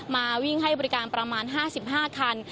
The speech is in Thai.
มาวิ่งให้บริการประมาณ๕๕คัน